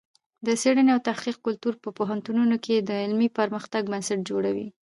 د څېړنې او تحقیق کلتور په پوهنتونونو کې د علمي پرمختګ بنسټ جوړوي.